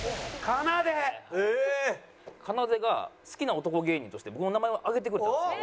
かなでが好きな男芸人として僕の名前を挙げてくれたんですよ。